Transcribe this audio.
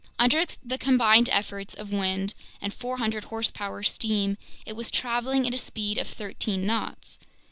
Under the combined efforts of wind and 400 horsepower steam, it was traveling at a speed of thirteen knots.